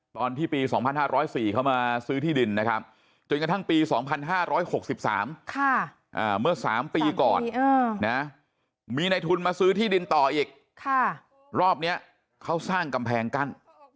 ตอนที่ปี๒๕๐๔เขามาซื้อที่ดินนะครับจนกระทั่งปี๒๕๖๓เมื่อ๓ปีก่อนนะมีในทุนมาซื้อที่ดินต่ออีกรอบนี้เขาสร้างกำแพงกั้น